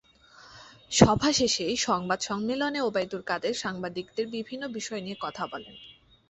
সভা শেষে সংবাদ সম্মেলনে ওবায়দুল কাদের সাংবাদিকদের বিভিন্ন বিষয় নিয়ে কথা বলেন।